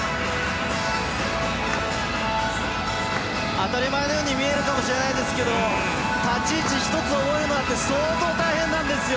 当たり前のように見えるかもしれないですけど立ち位置１つ覚えるのだって相当、大変なんですよ。